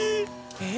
えっ？